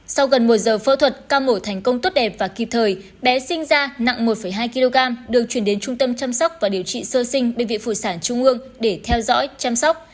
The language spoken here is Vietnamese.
sau gần một giờ phẫu thuật ca mổ thành công tốt đẹp và kịp thời bé sinh ra nặng một hai kg được chuyển đến trung tâm chăm sóc và điều trị sơ sinh bệnh viện phụ sản trung ương để theo dõi chăm sóc